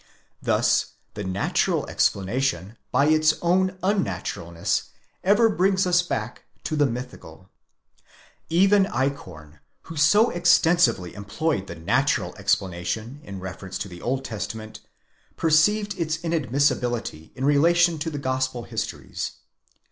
Thus the natural explanation, by its own unnaturalness, ever brings us back to the mythical. Even Eichhorn, who so extensively employed the natural explanation in reference to the Old Testament, perceived its inadmissibility in relation to the gospel histories.